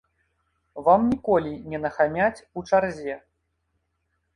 Вам ніколі не нахамяць у чарзе.